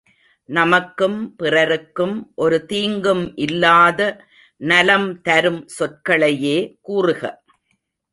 நமக்கும் பிறருக்கும் ஒரு தீங்கும் இல்லாத நலம்தரும் சொற்களையே கூறுக.